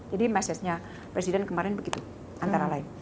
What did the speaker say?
jadi message nya presiden kemarin begitu antara lain